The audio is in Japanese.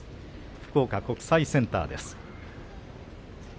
福岡国際センターです。